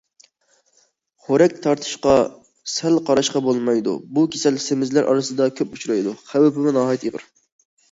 خورەك تارتىشقا سەل قاراشقا بولمايدۇ، بۇ كېسەل سېمىزلەر ئارىسىدا كۆپ ئۇچرايدۇ، خەۋپمۇ ناھايىتى ئېغىر.